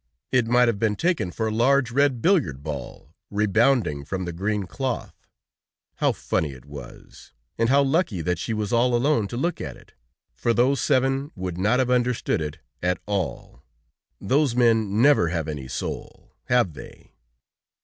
It might have been taken for a large red billiard ball, rebounding from the green cloth. How funny it was! And how lucky that she was all alone to look at it, for those seven would not have understood it at all! Those men never have any soul, have they?